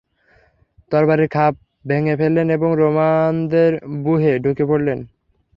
তরবারীর খাপ ভেঙে ফেললেন এবং রোমানদের ব্যুহে ঢুকে পড়লেন।